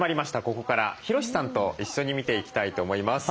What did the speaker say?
ここからヒロシさんと一緒に見ていきたいと思います。